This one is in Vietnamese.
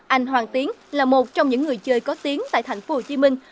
anh hoàng tiến là một trong những người chơi có tiếng tại thành phố hồ chí minh